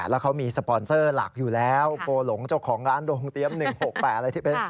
แล้วเขามีสปอนเซอร์หลักอยู่แล้วโกหลงเจ้าของร้านโรงเตรียม๑๖๘อะไรที่เป็น